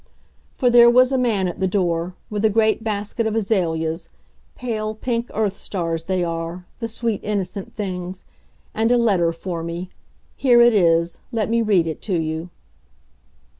For there was a man at the door, with a great basket of azaleas pale, pink earth stars they are, the sweet, innocent things and a letter for me. Here it is. Let me read it to you.